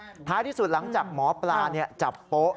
ท้ายที่สุดหลังจากหมอปลาจับโป๊ะ